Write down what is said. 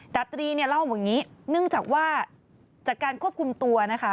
ดับตรีเล่าแบบนี้เนื่องจากว่าจากการควบคุมตัวนะคะ